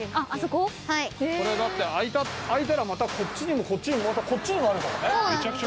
これだって開いたらまたこっちにもこっちにもこっちにもあるからね。